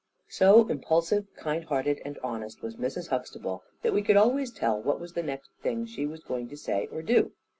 So impulsive, kind hearted, and honest was Mrs. Huxtable, that we could always tell what was the next thing she was going to say or do.